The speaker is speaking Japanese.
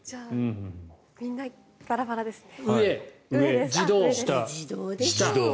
みんなバラバラですね。